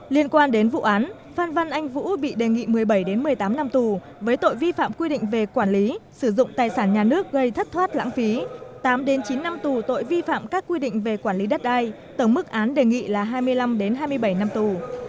viện kiểm sát đề nghị bị cáo trần văn minh một mươi bảy một mươi tám năm tù vì tội vi phạm quy định về quản lý sử dụng tài sản nhà nước gây thất thoát lãng phí tám chín năm tù về tội vi phạm các quy định về quản lý đất đai tổng mức đề nghị với bị cáo này là hai mươi năm hai mươi bảy năm tù